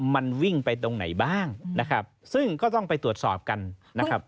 มันวิ่งไปตรงไหนบ้างนะครับซึ่งก็ต้องไปตรวจสอบกันนะครับ